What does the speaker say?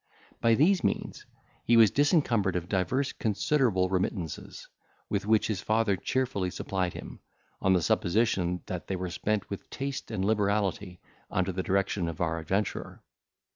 By these means he was disencumbered of divers considerable remittances, with which his father cheerfully supplied him, on the supposition that they were spent with taste and liberality, under the direction of our adventurer.